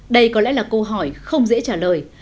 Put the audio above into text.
đây có lẽ là câu hỏi không dễ trả lời